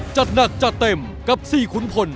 จัดหนักจัดเต็มกับ๔ขุนพล